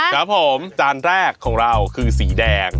ครับผมจานแรกของเราคือสีแดง